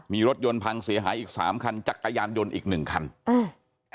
มีรถยนต์พังเสียหายอีกสามคันจักรยานยนต์อีกหนึ่งคันอืม